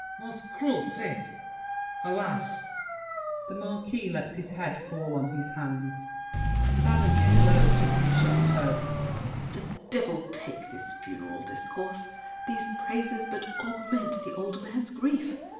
Most cruel fate! Alas! [The Marquis lets his head fall on his hands. SAVERNY (low to Brichanteau). The devil take this funeral discourse! These praises but augment the old man's grief.